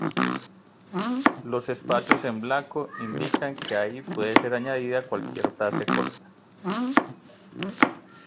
Los espacios en blanco indican que ahí puede ser añadida cualquier frase corta.